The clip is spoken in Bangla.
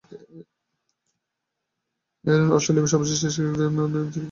অস্ট্রেলিয়ার সর্বশেষ টেস্ট ক্রিকেটার হিসেবে তিনি শৌখিন ক্রিকেটার ছিলেন।